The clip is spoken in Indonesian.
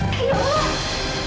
ya allah taufan